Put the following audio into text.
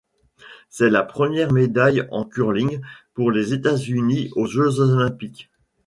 C'était la première médaille en curling pour les États-Unis aux Jeux olympiques.